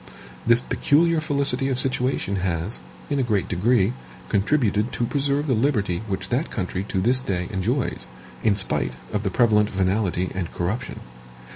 This peculiar felicity of situation has, in a great degree, contributed to preserve the liberty which that country to this day enjoys, in spite of the prevalent venality and corruption.